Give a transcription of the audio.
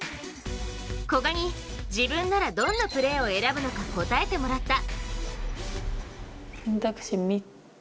古賀に、自分ならどんなプレーを選ぶのか答えてもらった。